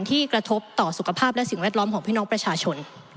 กระทบต่อสุขภาพและสิ่งแวดล้อมของพี่น้องประชาชน